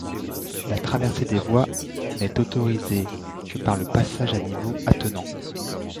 La traversée des voies n'est autorisée que par le passage à niveau attenant.